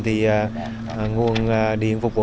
thì nguồn điện phục vụ